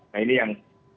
nah ini yang